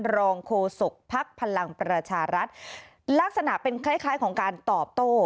รองโฆษกภักดิ์พลังประชารัฐลักษณะเป็นคล้ายคล้ายของการตอบโต้